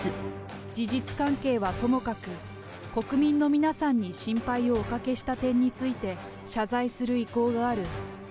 事実関係はともかく、国民の皆さんに心配をおかけした点について、謝罪する意向がある。